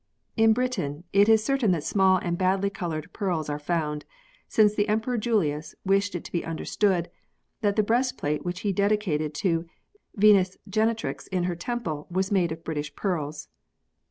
In Britain, it is certain that small and badly coloured pearls are found, since the Emperor Julius wished it to be understood that the breastplate which he dedicated to Venus Genetrix in her temple was made of British pearls.